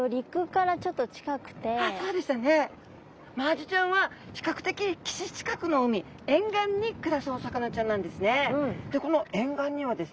マアジちゃんは比較的岸近くの海沿岸に暮らすお魚ちゃんなんですね。